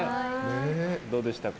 どうでしたか？